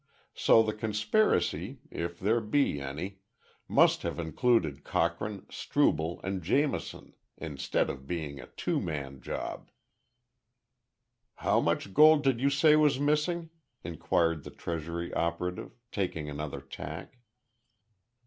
So the conspiracy, if there be any, must have included Cochrane, Strubel, and Jamison instead of being a two man job." "How much gold did you say was missing?" inquired the Treasury operative, taking another tack.